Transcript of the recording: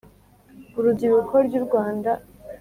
Urubyiruko ry’u Rwanda mukwiteza imbere mubuzima